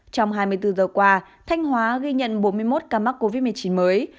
trong hai mươi bốn giờ qua thanh hóa ghi nhận bốn mươi một ca mắc covid một mươi chín mới